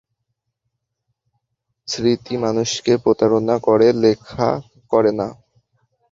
স্মৃতি মানুষকে প্রতারণা করে, লেখা করে না।